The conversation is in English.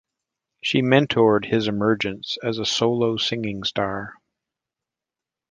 She mentored his emergence as a solo singing star.